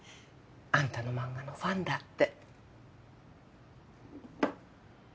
アンタの漫画のファンだって。